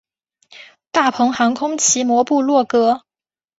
大鹏航空奇摩部落格